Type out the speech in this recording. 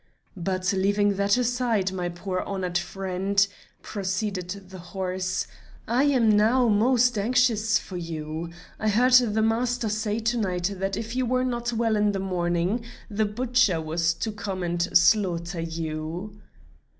"But leaving that aside, my poor horned friend," proceeded the horse, "I am now most anxious for you. I heard the master say to night that if you were not well in the morning, the butcher was to come and slaughter you."